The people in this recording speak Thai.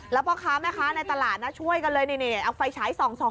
แล้วพ่อค้าแม่ค้าในตลาดนะช่วยกันเลยนี่เอาไฟฉายส่อง